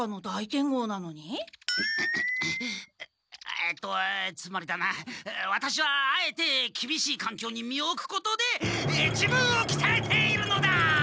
えっとつまりだなワタシはあえてきびしいかんきょうに身をおくことで自分をきたえているのだ！